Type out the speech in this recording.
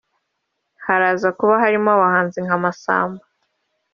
Haraza kuba harimo abahanzi nka Massamba